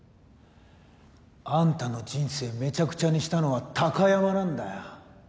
あんたの人生めちゃくちゃにしたのは貴山なんだよ。